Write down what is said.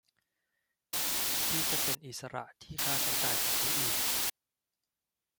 ที่จะเป็นอิสระที่ค่าใช้จ่ายของผู้อื่น